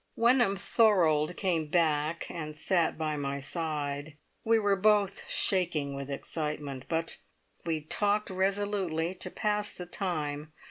Wenham Thorold came back, and sat by my side. We were both shaking with excitement, but we talked resolutely to pass the time.